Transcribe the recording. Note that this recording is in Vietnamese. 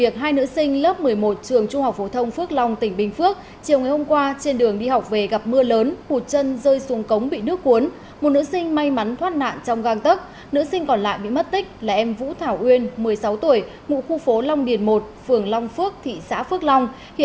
các bạn hãy đăng ký kênh để ủng hộ kênh của chúng mình nhé